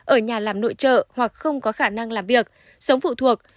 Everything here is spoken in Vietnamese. ở nhà làm nội trợ hoặc không có khả năng làm việc sống phụ thuộc